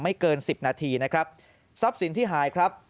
เกินสิบนาทีนะครับทรัพย์สินที่หายครับ